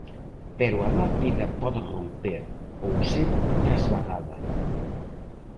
Pero a lápida pode romper, ou ser trasladada.